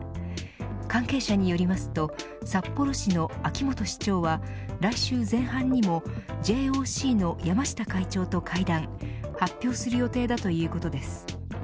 関係者によりますと札幌市の秋元市長は来週前半にもＪＯＣの山下会長と会談発表する予定だということです。